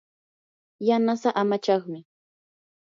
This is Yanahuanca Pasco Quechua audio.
yanasaa amachaqmi.